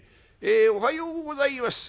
えおはようございます。